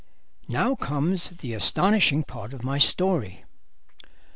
Now comes the astonishing part of my story.